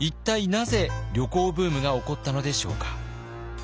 なぜ旅行ブームが起こったのでしょうか。